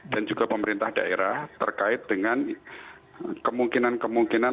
dan juga pemerintah daerah terkait dengan kemungkinan kemungkinan